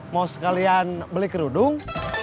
mau sekalian beli kerudung